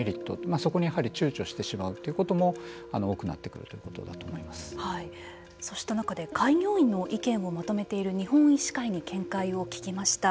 そこにちゅうちょしてしまうということも多くなってくるそうした中で開業医の意見をまとめている日本医師会に見解を聞きました。